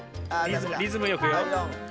リズムよくよ。